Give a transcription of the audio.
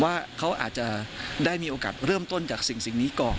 ว่าเขาอาจจะได้มีโอกาสเริ่มต้นจากสิ่งนี้ก่อน